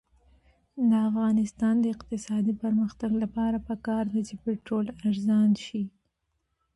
د افغانستان د اقتصادي پرمختګ لپاره پکار ده چې پټرول ارزانه شي.